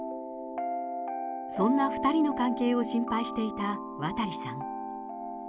そんな２人の関係を心配していた渡さん。